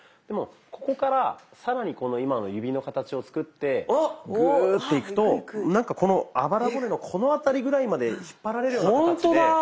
でもここから更に今の指の形を作ってグーッていくとなんかこのあばら骨のこのあたりぐらいまで引っ張られるような形で。